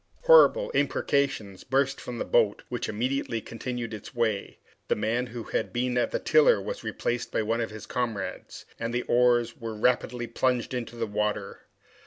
Horrible imprecations burst from the boat, which immediately continued its way. The man who had been at the tiller was replaced by one of his comrades, and the oars were rapidly plunged into the water.